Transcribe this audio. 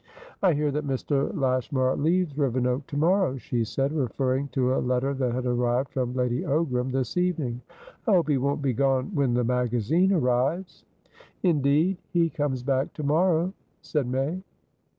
"I hear that Mr. Lashmar leaves Rivenoak to morrow," she said, referring to a letter that had arrived from Lady Ogram this evening. "I hope he won't be gone when the magazine arrives." "Indeed? He comes back to morrow?" said May.